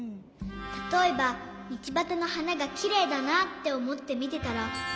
たとえばみちばたのはながきれいだなっておもってみてたら。